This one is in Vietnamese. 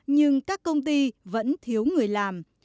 nhưng các công ty vẫn thiếu người làm